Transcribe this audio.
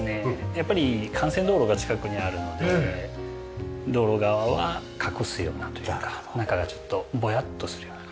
やっぱり幹線道路が近くにあるので道路側は隠すようなというか中がちょっとぼやっとするような感じに。